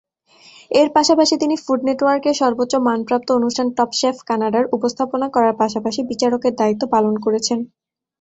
এর পাশাপাশি তিনি ফুড নেটওয়ার্কের সর্বোচ্চ মান প্রাপ্ত অনুষ্ঠান "টপ শেফ কানাডা"-র উপস্থাপনা করার পাশাপাশি বিচারকের দায়িত্ব পালন করেছেন।